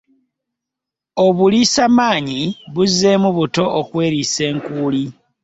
Obuliisa maanyi buzzeemu buto okweriisa enkuuli.